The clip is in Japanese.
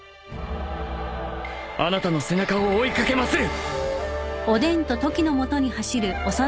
あなたの背中を追い掛けまする！